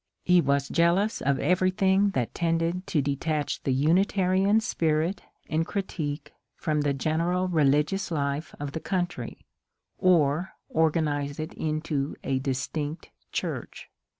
He was jealous of everything that tended to detach the Unitarian spirit and critique from the general religious life of the country, or organize it into a distinct church.